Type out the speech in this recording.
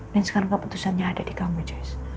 dan sekarang keputusannya ada di kamu jess